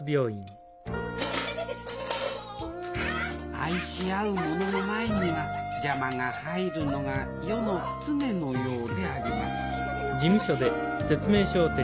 愛し合う者の前には邪魔が入るのが世の常のようであります